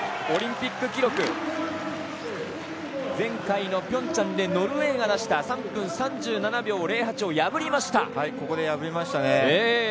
オリンピック記録前回の平昌でノルウェーが出した３分３７秒０８を破りました。